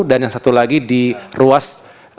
dan yang satu lagi di ruas